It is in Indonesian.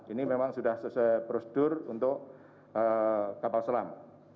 ini memang sudah sesuai prosedur untuk kapal selam